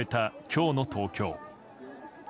今日の東京。